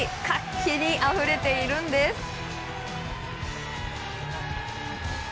活気にあふれているんです。